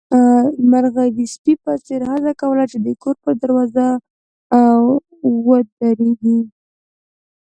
مرغۍ د سپي په څېر هڅه کوله چې د کور پر دروازه ودرېږي.